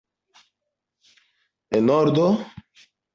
En ordo?